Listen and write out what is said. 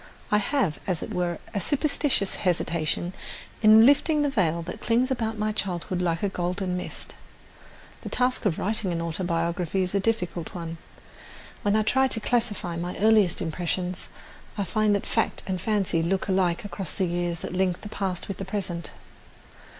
I have, as it were, a superstitious hesitation in lifting the veil that clings about my childhood like a golden mist. The task of writing an autobiography is a difficult one. When I try to classify my earliest impressions, I find that fact and fancy look alike across the years that link the past with the present.